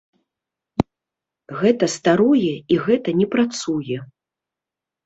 Гэта старое і гэта не працуе.